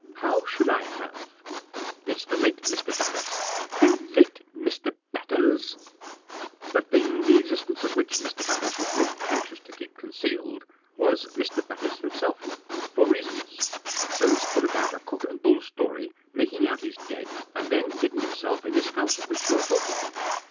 How should I have?" " It's the late Mr. Batters !"" The late Mr. Batters ?" "The thing the existence of which Mr. Batters was most anxious to keep concealed, was Mr. Batters himself — for reasons. So he's put about a cock and bull story making out he's dead, and then hidden himself in this house of which you're talking."